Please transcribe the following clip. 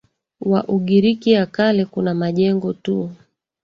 wa Ugiriki ya Kale kuna majengo tu